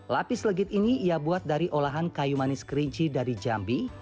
lapis legit ini ia buat dari olahan kayu manis kerinci dari jambi